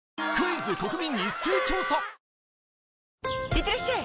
いってらっしゃい！